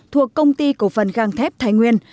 thuộc công ty cổ phần găng thép thái nguyên